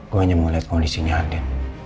gue hanya mau lihat kondisinya ada